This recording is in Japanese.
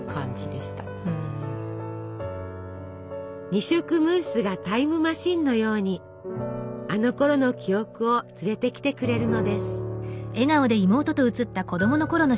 二色ムースがタイムマシンのようにあのころの記憶を連れてきてくれるのです。